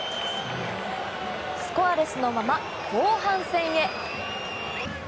スコアレスのまま、後半戦へ。